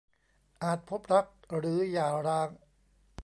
อาจพบรักหรือหย่าร้าง